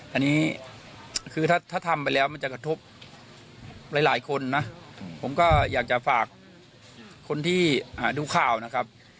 อันนี้คือถ้าทำไปแล้วมันจะกระทบหลายคนนะผมก็อยากจะฝากคนที่ดูข่าวนะครับ